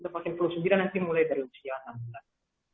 untuk vaksin flu sendiri nanti mulai dari usia enam bulan